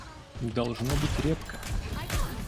Должно быть, репка.